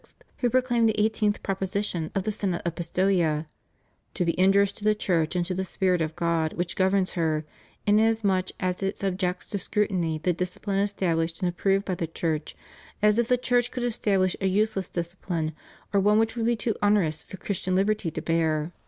who proclaimed the 18th proposition of the Synod of Pistoia"to be injurious to the Church and to the Spirit of God which governs her, inasmuch as it sub jects to scrutiny the discipline established and approved by the Church, as if the Church could establish a useless discipline or one which would be too onerous for Christian liberty to bear."